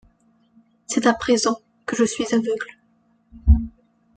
C’est à présent que je suis aveugle.